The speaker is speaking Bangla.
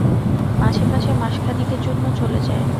মাঝে-মাঝে মাসখানিকের জন্য চলে যায়।